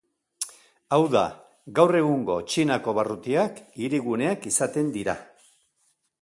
Hau da, gaur egungo Txinako barrutiak, hiriguneak izaten dira.